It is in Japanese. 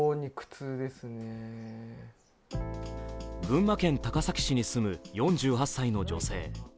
群馬県高崎市に住む４８歳の女性。